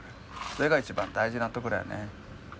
それが一番大事なところやね。